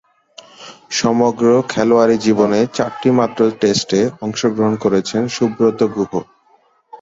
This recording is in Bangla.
সমগ্র খেলোয়াড়ী জীবনে চারটিমাত্র টেস্টে অংশগ্রহণ করেছেন সুব্রত গুহ।